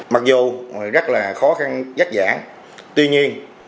mặc dù rất là khó khăn rắc rãn tuy nhiên